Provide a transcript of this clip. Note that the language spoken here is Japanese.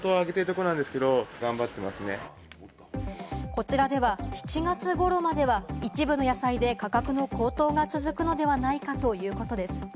こちらでは７月ごろまでは一部の野菜で価格の高騰が続くのではないかということです。